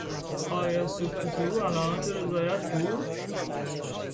آیا سکوت او علامت رضایت بود؟